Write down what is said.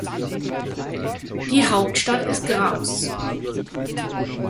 Die Hauptstadt ist Graus.